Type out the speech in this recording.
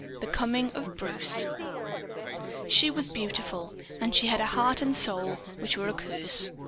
The Coming Of Bruce She was beautiful. And she had a heart and a soul which were a curse.